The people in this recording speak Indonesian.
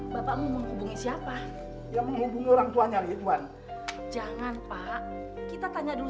bapakmu menghubungi siapa yang menghubungi orang tuanya rituan jangan pak kita tanya dulu